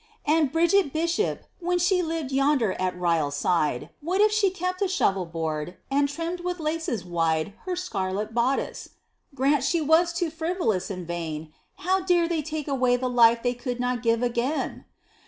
"And Bridget Bishop, when she lived yonder at Ryal side, What if she kept a shovel board, and trimmed with laces wide Her scarlet bodice: grant she was too frivolous and vain; How dared they take away the life they could not give again?